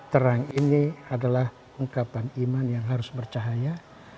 terang ini adalah ungkapan iman yang harus bercahaya